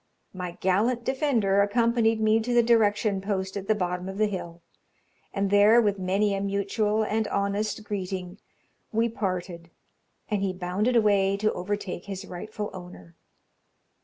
My gallant defender accompanied me to the direction post at the bottom of the hill, and there, with many a mutual and honest greeting, we parted, and he bounded away to overtake his rightful owner.